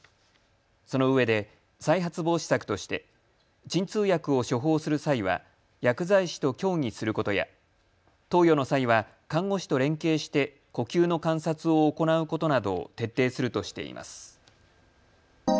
そのうえで再発防止策として鎮痛薬を処方する際は薬剤師と協議することや投与の際は看護師と連携して呼吸の観察を行うことなどを徹底するとしています。